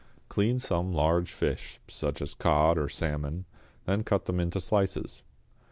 = Clean some large fish, such as cod or salmon, then cut them into slices.